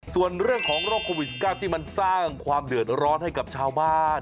ส่วนเรื่องของโรคโควิด๑๙ที่มันสร้างความเดือดร้อนให้กับชาวบ้าน